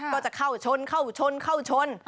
ก็จะเข้าชนเข้าชนเข้าชน